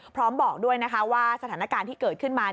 พร้อมบอกด้วยว่าสถานการณ์ที่เกิดขึ้นมา